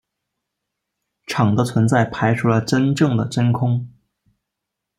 场的存在排除了真正的真空。